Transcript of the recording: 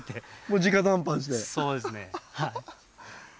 そうですねはい。